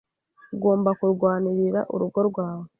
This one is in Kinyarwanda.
ugomba kurwanirira urugo rwawe